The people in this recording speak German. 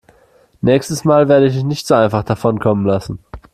Nächstes Mal werde ich dich nicht so einfach davonkommen lassen.